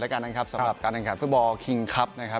รายการนะครับสำหรับการทางการฟุตบอลคิงคลับนะครับ